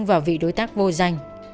vào vị đối tác vô danh